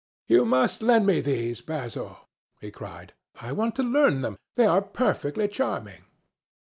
"You must lend me these, Basil," he cried. "I want to learn them. They are perfectly charming."